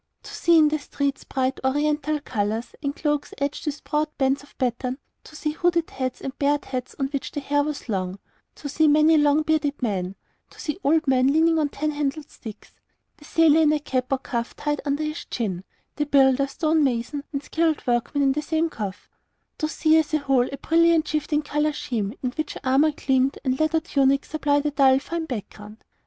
To see in the streets bright Oriental colours and cloaks edged with broad bands of pattern; to see hooded heads and bared heads on which the hair was long; to see many long bearded men; to see old men leaning on tan handled sticks; the sailor in a cap or coif tied under his chin; the builder, stonemason, and skilled workman in the same coif; to see, as a whole, a brilliant shifting colour scheme in which armour gleamed and leather tunics supplied a dull, fine background.